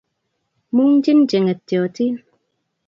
'Muung'jin che ng'etyotin.